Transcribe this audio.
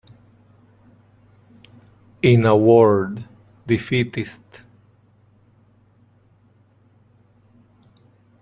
In a word, defeatist.